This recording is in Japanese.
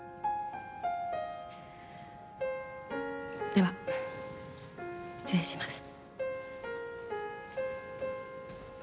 では失礼します。